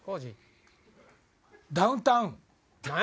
ダウンタウン。